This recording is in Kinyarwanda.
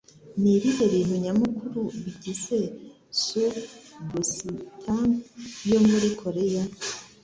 Nibihe bintu nyamukuru bigize Soup Bosintang yo muri koreya?